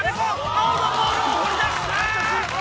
青のボールを掘り出した！